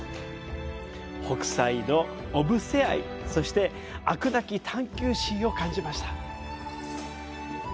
北斎の小布施愛、そして飽くなき探究心を感じました。